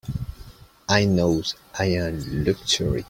I knows I'm a luxury.